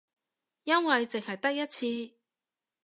因為淨係得一次